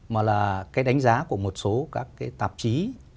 mà là cái đánh giá của một số các cái tạp chí